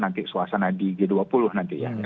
nanti suasana di g dua puluh nanti ya